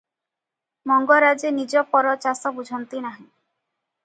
ମଙ୍ଗରାଜେ ନିଜ ପର ଚାଷ ବୁଝନ୍ତି ନାହିଁ ।